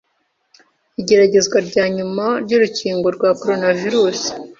Igeragezwa rya nyuma ry'urukingo rwa coronavirus,